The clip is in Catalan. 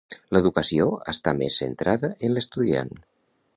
L'educació està més centrada en l'estudiant.